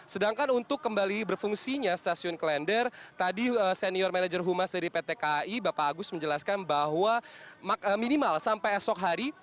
sedangkan untuk kembali berfungsinya stasiun klender tadi senior manager humas dari pt kai bapak agus menjelaskan bahwa minimal sampai esok hari